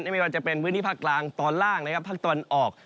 ไม่ว่าจะเป็นพื้นที่ภาคกลางตอนล่างนะครับภาคตะวันออก